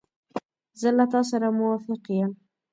زه له تا سره موافق یم.